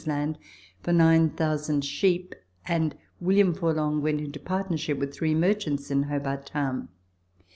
Land for 9,000 sheep, and William Forlonge went into part nership with three merchants in Hobart Town.